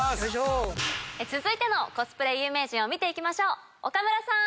続いてのコスプレ有名人を見て行きましょう岡村さん。